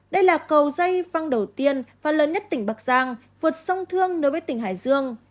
đây là cầu dây văng đầu tiên và lớn nhất tỉnh bắc giang vượt sông thương nối với tỉnh hải dương